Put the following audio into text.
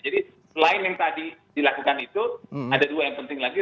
jadi selain yang tadi dilakukan itu ada dua yang penting lagi